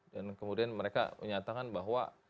dan kemudian mereka menyatakan bahwa